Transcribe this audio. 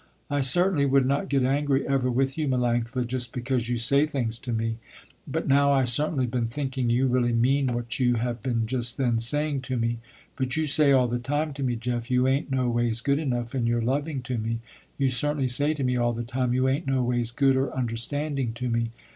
"I certainly would not get angry ever with you, Melanctha, just because you say things to me. But now I certainly been thinking you really mean what you have been just then saying to me." "But you say all the time to me Jeff, you ain't no ways good enough in your loving to me, you certainly say to me all the time you ain't no ways good or understanding to me."